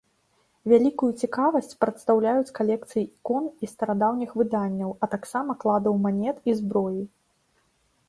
Вялікую цікавасць прадстаўляюць калекцыі ікон і старадаўніх выданняў, а таксама кладаў манет і зброі.